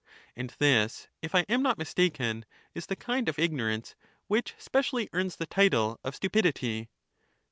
And this, if I am not mistaken, is the kind of ig norance which specially earns the title of stupidity.